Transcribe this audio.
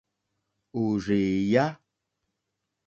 Òrzèèyá.